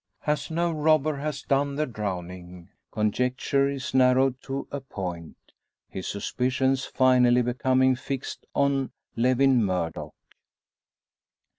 As no robber has done the drowning, conjecture is narrowed to a point; his suspicions finally becoming fixed on Lewin Murdock.